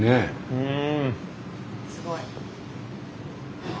うん！